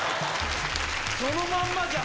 そのまんまじゃん。